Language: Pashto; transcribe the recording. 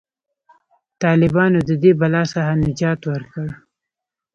طالبانو د دې بلا څخه نجات ورکړ.